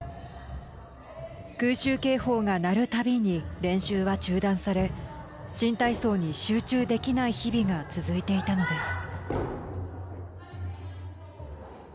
空襲警報が鳴るたびに練習は中断され新体操に集中できない日々が続いていたのです。